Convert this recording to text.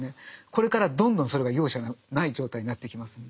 これからどんどんそれが容赦ない状態になっていきます。